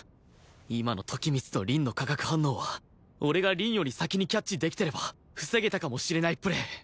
今の時光と凛の化学反応は俺が凛より先にキャッチできてれば防げたかもしれないプレー